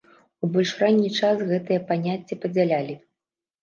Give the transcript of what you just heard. У больш ранні час гэтыя паняцці падзялялі.